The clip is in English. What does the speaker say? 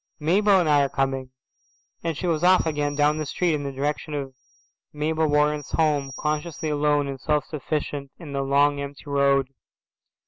Mabel and I are coming." And she was off again down the street in the direction of Mabel Warren's home, consciously alone and self sufficient in the long empty road.